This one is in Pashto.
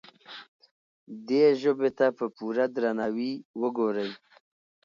دې ژبې ته په پوره درناوي وګورئ.